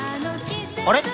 あれ？